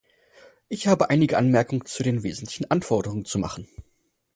Ich habe einige Anmerkungen zu den wesentlichen Anforderungen zu machen.